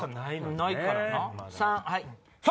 ないからな。